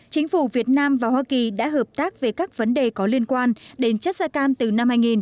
chính phủ việt nam và hoa kỳ đã hợp tác về các vấn đề có liên quan đến chất da cam từ năm hai nghìn